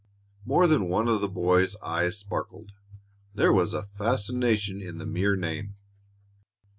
More than one boy's eyes sparkled. There was a fascination in the mere name.